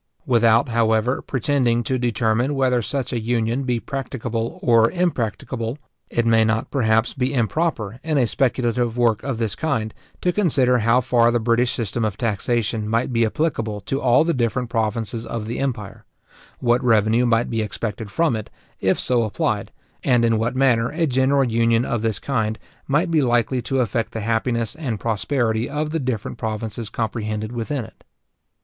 Without, however, pretending to determine whether such a union be practicable or impracticable, it may not, perhaps, be improper, in a speculative work of this kind, to consider how far the British system of taxation might be applicable to all the different provinces of the empire; what revenue might be expected from it, if so applied; and in what manner a general union of this kind might be likely to affect the happiness and prosperity of the different provinces comprehended within it.